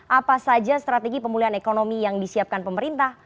apa saja strategi pemulihan ekonomi yang disiapkan pemerintah